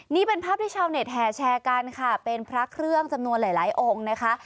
นี่เป็นภาพที่ชาวเน็ตแห่แชร์กันค่ะเป็นพระเครื่องจำนวนหลายหลายองค์นะคะ